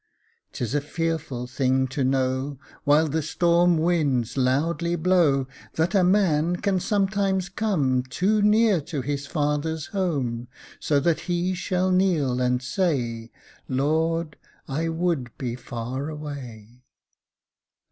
'Tis a fearful thing to know, While the storm winds loudly blow, That a man can sometimes come Too near to his father's home; So that he shall kneel and say, "Lord, I would be far away!"